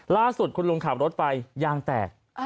ล่าสุดคุณลุงขับรถไปยางแตก